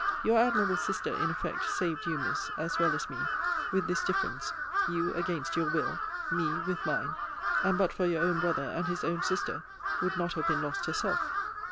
Your admirable sister, in effect, saved you, Miss, as well as me with this difference you, against your will me with mine: and but for your own brother, and his own sister, would not have been lost herself.